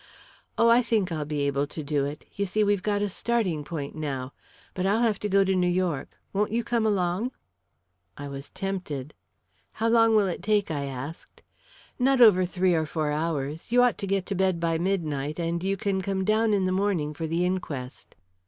"Oh, I think I'll be able to do it you see, we've got a starting point now. But I'll have to go to New York. Won't you come along?" I was tempted. "How long will it take?" I asked. "Not over three or four hours. You ought to get to bed by midnight, and you can come down in the morning for the inquest."